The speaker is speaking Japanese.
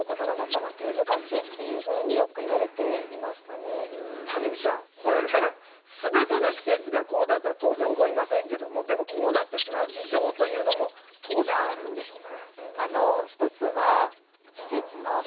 結局は集団生活になるので谷口さんこれね全ての施設がこうだとは当然思いませんけどもでもこうなってしまう事情というのも当然あるんでしょうね。